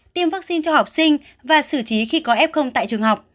tiêm vaccine cho học sinh và xử trí khi có f tại trường học